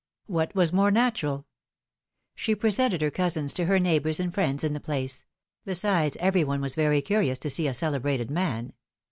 What was more natural ? She presented her cousins to her neighbors and friends in the place ; besides, every one was very curious to see a celebrated man